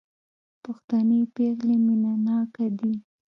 پښتنې پېغلې مينه ناکه دي